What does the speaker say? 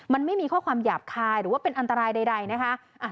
มันไม่มีข้อความหยาบคายหรือว่าเป็นอันตรายใดนะคะ